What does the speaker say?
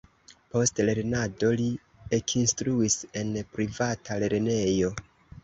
Post lernado li ekinstruis en privata lernejo.